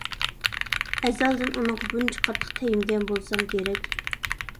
ئەزەلدىن ئۇنىڭغا بۇنچە قاتتىق تەگمىگەن بولسام كېرەك.